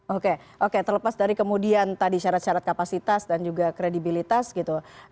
oke oke terlepas dari kemudian tadi syarat syarat kapasitas dan juga kredibilitas gitu